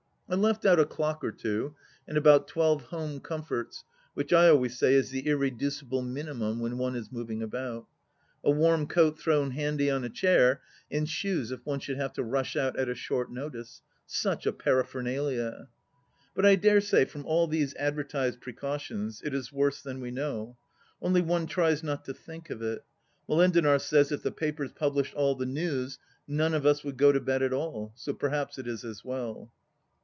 I left out a clock or two, and about twelve home comforts which I always say is the irreducible minimum when one is moving about. A warm coat thrown handy on a chair, and shoes if one should have to rush out at a short notice — such a paraphernalia !... But I dare say, from all these advertised precautions, it is worse than we know ; only one tries not to think of it. Molendinar says if the papers published all the news none of us would go to bed at all, so perhaps it is as well.